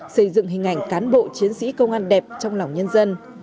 xây dựng hình ảnh cán bộ chiến sĩ công an đẹp trong lòng nhân dân